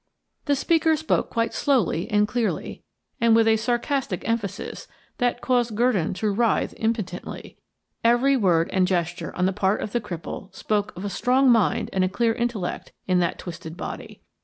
The speaker spoke quite slowly and clearly, and with a sarcastic emphasis that caused Gurdon to writhe impotently. Every word and gesture on the part of the cripple spoke of a strong mind and a clear intellect in that twisted body.